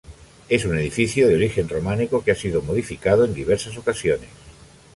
Es un edificio de origen románico que ha sido modificado en diversas ocasiones.